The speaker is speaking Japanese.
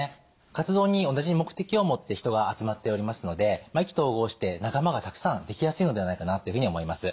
活動に同じ目的を持って人が集まっておりますので意気投合して仲間がたくさんできやすいのではないかなっていうふうに思います。